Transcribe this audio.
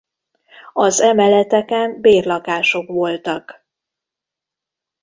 Az emeleteken bérlakások voltak.